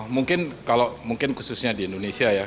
mungkin kalau mungkin khususnya di indonesia ya